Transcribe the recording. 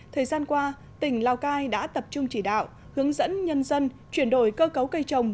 thời gian qua tỉnh lào cai đã tập trung chỉ đạo hướng dẫn nhân dân chuyển đổi cơ cấu cây trồng